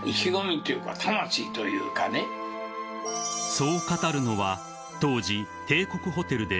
［そう語るのは当時帝国ホテルで］